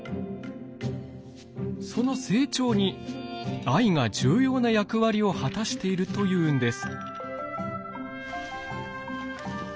その成長に藍が重要な役割を果たしているというんです。